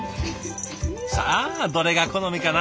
さあどれが好みかな？